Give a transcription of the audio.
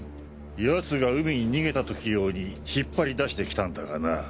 奴が海に逃げた時用に引っ張り出してきたんだがな。